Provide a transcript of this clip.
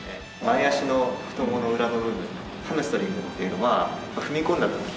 前足の太ももの裏の部分ハムストリングっていうのは踏み込んだ時。